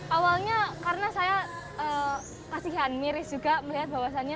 awalnya karena saya kasihan miris juga melihat bahwasannya